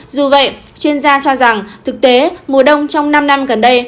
dù vậy chuyên gia cho rằng thực tế mùa đông trong năm năm gần đây